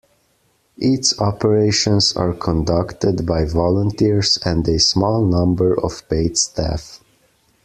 Its operations are conducted by volunteers and a small number of paid staff.